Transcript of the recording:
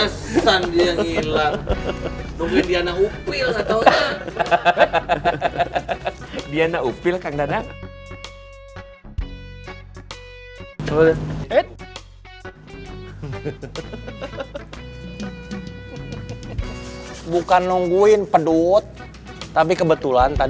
sini gak bebas